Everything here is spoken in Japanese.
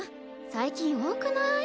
最近多くない？